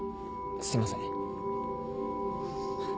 すいません。